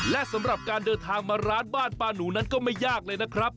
และสำหรับการเดินทางมาร้านบ้านป้าหนูนั้นก็ไม่ยากเลยนะครับ